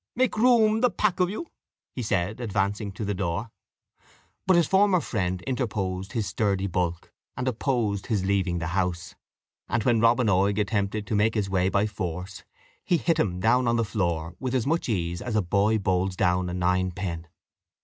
"Make room, the pack of you," he said, advancing to the door. But his former friend interposed his sturdy bulk, and opposed his leaving the house; and when Robin Oig attempted to make his way by force, he hit him down on the floor, with as much ease as a boy bowls down a ninepin.